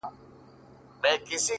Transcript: سیاه پوسي ده” خُم چپه پروت دی”